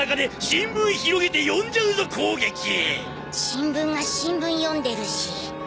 新聞が新聞読んでるし。